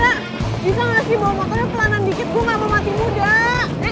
bisa gak sih bawa motornya pelanan dikit